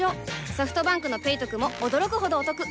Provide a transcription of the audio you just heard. ソフトバンクの「ペイトク」も驚くほどおトク